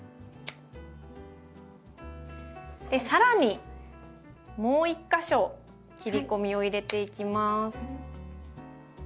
更にもう一か所切り込みを入れていきます。